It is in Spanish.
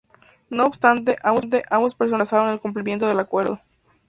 No obstante, ambos personajes retrasaron el cumplimiento del acuerdo.